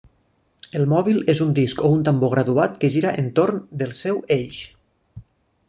El mòbil és un disc o un tambor graduat que gira entorn del seu eix.